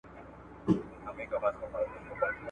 عطر نه لري په ځان کي ستا له څنګه ټوله مړه دي !.